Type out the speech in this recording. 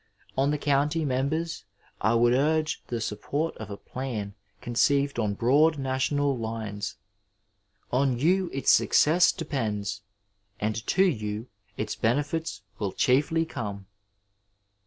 On the county members I would urge the sup port of a plan conceived on broad national lines — on you its success depends, and to you its benefits will chiefly come.